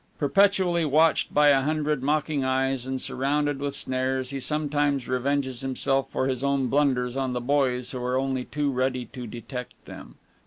Perpetually watched by a hundred mocking eyes, and surrounded with snares, he sometimes revenges himself for his own blunders on the boys who are only too ready to detect them.